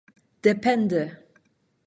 depende